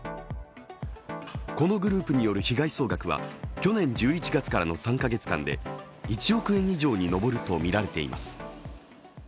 このグループによる被害総額は去年１１月からの３か月間で１億円以上に上るとみられています。